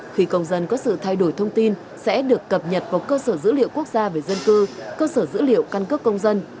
khi công dân có sự thay đổi thông tin sẽ được cập nhật vào cơ sở dữ liệu quốc gia về dân cư cơ sở dữ liệu căn cước công dân